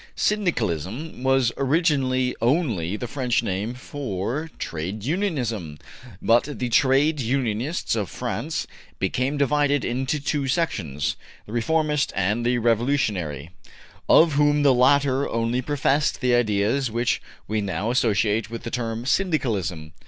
``Syndicalism'' was originally only the French name for Trade Unionism, but the Trade Unionists of France became divided into two sections, the Reformist and the Revolutionary, of whom the latter only professed the ideas which we now associate with the term ``Syndicalism.''